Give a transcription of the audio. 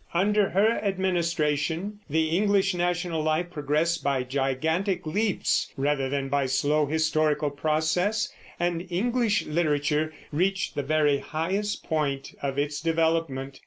Under her administration the English national life progressed by gigantic leaps rather than by slow historical process, and English literature reached the very highest point of its development.